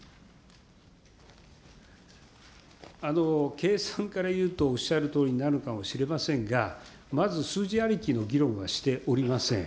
計算からいうと、おっしゃるとおりになるかもしれませんが、まず数字ありきの議論はしておりません。